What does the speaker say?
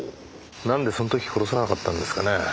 なんでその時殺さなかったんですかね？